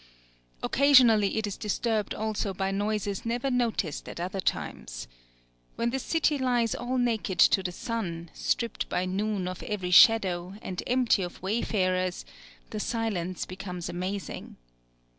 Occasionally it is disturbed also by noises never noticed at other times. When the city lies all naked to the sun, stripped by noon of every shadow, and empty of wayfarers, the silence becomes amazing.